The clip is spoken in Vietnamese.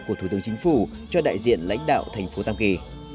của thủ tướng chính phủ cho đại diện lãnh đạo thành phố tam kỳ